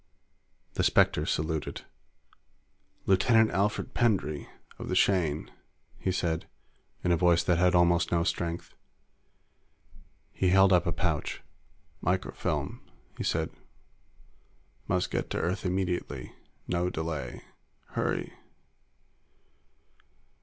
The specter saluted. "Lieutenant Alfred Pendray, of the Shane," he said, in a voice that had almost no strength. He held up a pouch. "Microfilm," he said. "Must get to Earth immediately. No delay. Hurry."